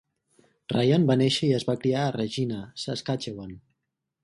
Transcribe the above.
Ryan va néixer i es va criar a Regina, Saskatchewan.